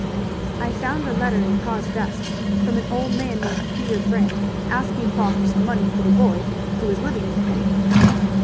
"I found a letter in pa's desk from an old man named Peter Brant, asking pa for some money for the boy, who was living with him."